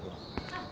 ・あっ